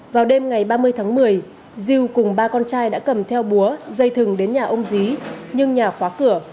vào đêm ngày ba mươi tháng một mươi diêu cùng ba con trai đã cầm theo búa dây thừng đến nhà ông dí nhưng nhà khóa cửa